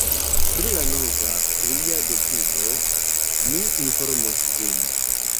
Pri la nova pria decido ni informos vin.